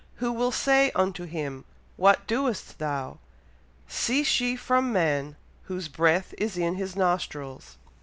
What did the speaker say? who will say unto him, What doest thou?" "Cease ye from man, whose breath is in his nostrils."